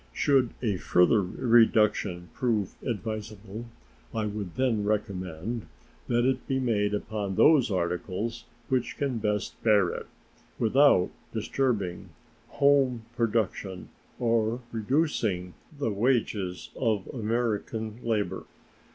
Should a further reduction prove advisable, I would then recommend that it be made upon those articles which can best bear it without disturbing home production or reducing the wages of American labor.